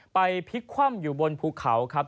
พลิกคว่ำอยู่บนภูเขาครับ